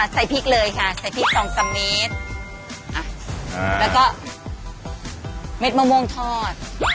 ใส่พริกเลยค่ะใส่พริกสองสามเมตรแล้วก็เม็ดมะม่วงทอด